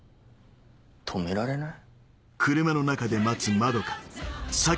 止められない？